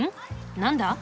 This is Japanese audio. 何だ？